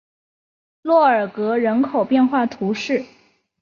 洛尔格人口变化图示